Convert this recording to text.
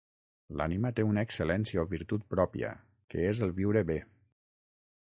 L'ànima té una excel·lència o virtut pròpia, que és el viure bé.